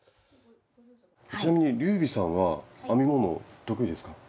ちなみに龍美さんは編み物得意ですか？